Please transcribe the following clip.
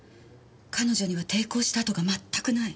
彼女には抵抗した痕がまったくない。